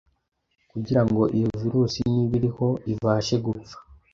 kugira ngo iyo virusi niba iriho ibashe gupfa.